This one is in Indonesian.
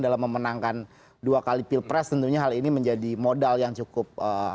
dalam memenangkan dua kali pilpres tentunya hal ini menjadi modal yang cukup